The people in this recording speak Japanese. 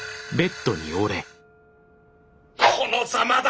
このざまだ！